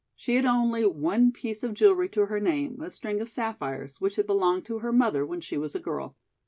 She had only one piece of jewelry to her name, a string of sapphires, which had belonged to her mother when she was a girl.